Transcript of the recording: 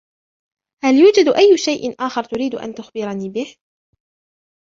هل يوجد أي شيء أخر تريد أن تُخبرني به ؟